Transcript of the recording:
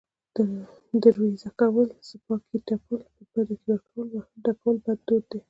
دروېزه کول، څپياکې تپل، په بدو کې ورکول، وهل، ټکول بد دود دی